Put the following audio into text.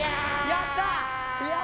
やった！